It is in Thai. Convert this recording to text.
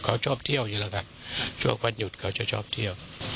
เขาชอบเที่ยวอยู่แล้วครับช่วงวันหยุดเขาจะชอบเที่ยว